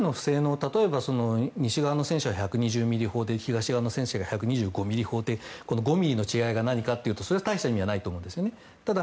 例えば西側の戦車１２０ｍｍ砲で東側の戦車が１２５ｍｍ砲という５ｍｍの違いが何かというとそれは大した意味はないと思うんですね。